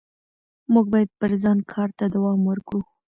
موږ باید پر ځان کار ته دوام ورکړو